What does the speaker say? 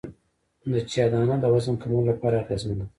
د چیا دانه د وزن کمولو لپاره اغیزمنه ده